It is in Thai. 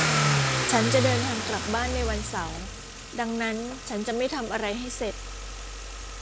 ฉันจะเดินทางกลับบ้านในวันเสาร์ดังนั้นฉันจะไม่ทำอะไรให้เสร็จ